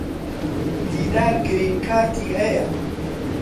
دیدار گرین کارتی ھەیە.